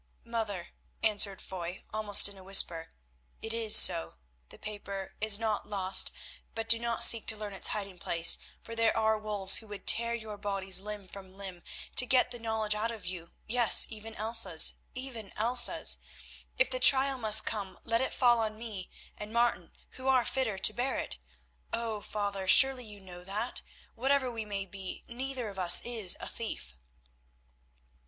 "Mother," answered Foy, almost in a whisper, "it is so. The paper is not lost, but do not seek to learn its hiding place, for there are wolves who would tear your bodies limb from limb to get the knowledge out of you; yes, even Elsa's, even Elsa's. If the trial must come let it fall on me and Martin, who are fitter to bear it. Oh! father, surely you know that, whatever we may be, neither of us is a thief."